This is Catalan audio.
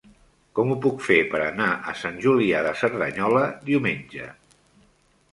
Com ho puc fer per anar a Sant Julià de Cerdanyola diumenge?